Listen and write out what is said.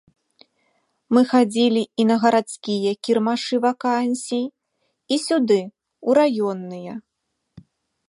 Мы хадзілі і на гарадскія кірмашы вакансій, і сюды, у раённыя.